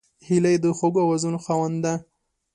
هیلۍ د خوږو آوازونو خاوند ده